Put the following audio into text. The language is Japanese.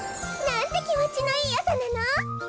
なんてきもちのいいあさなの。